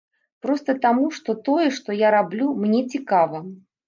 Проста таму, што тое, што я раблю, мне цікава.